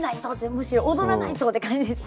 むしろ踊らないとって感じですね。